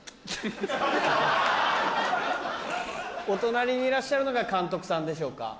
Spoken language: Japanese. お隣にいらっしゃるのが監督さんでしょうか？